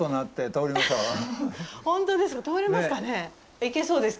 いけそうですか？